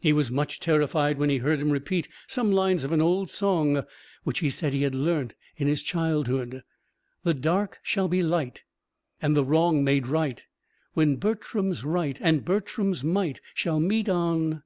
He was much terrified when he heard him repeat some lines of an old song, which he said he had learnt in his childhood: "The dark shall be light, And the wrong made right, When Bertram's right and Bertram's might Shall meet on